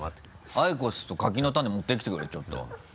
アイコスと柿の種持ってきてくれちょっと。